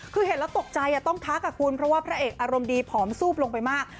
คือเห็นแล้วตกใจต้องทักคุณเพราะว่าพระเอกอารมณ์ดีผอมซูบลงไปมาก